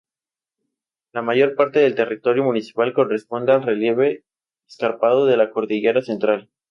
La mayor parte del territorio municipal corresponde al relieve escarpado de la Cordillera Central.